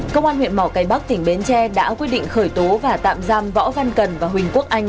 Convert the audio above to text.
công an huyện mỏ cây bắc tỉnh bến tre đã quyết định khởi tố và tạm giam võ văn cần và huỳnh quốc anh